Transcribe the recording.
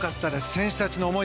選手たちの思い